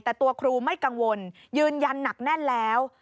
แต่ตัวครูไม่กังวลยืนยันหนักแน่นแล้ว